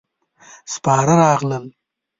سپاره راغلل.